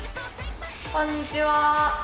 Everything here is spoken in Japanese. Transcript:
こんにちは！